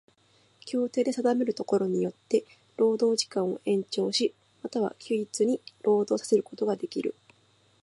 協定で定めるところによつて労働時間を延長し、又は休日に労働させることができる。